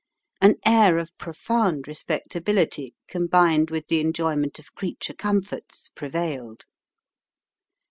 An air of profound respectability, combined with the enjoyment of creature comforts, prevailed.